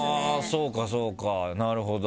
そうかそうかなるほど。